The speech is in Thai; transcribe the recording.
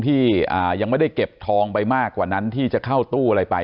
ที่ยังไม่ได้เก็บทองไปมากกว่านั้นที่จะเข้าตู้อะไรไป